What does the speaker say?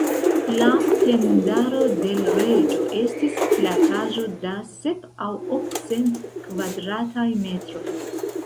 La tendaro de l' Reĝo estis plataĵo da sep- aŭ ok-cent kvadrataj metroj.